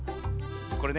これね